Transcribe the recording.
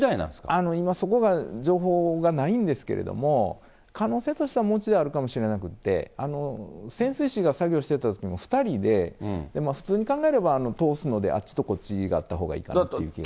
今そこが、情報がないんですけど、可能性としては、もう１台あるかもしれなくて、潜水士が作業していたときは２人で、普通に考えれば通すので、あっちとこっちがいいかなという気が。